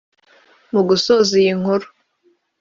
Mugusoza iyi nkuru